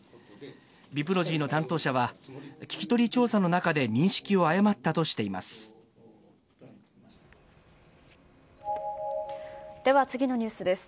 ビプロジーの担当者は、聞き取り調査の中で認識を誤ったとしています。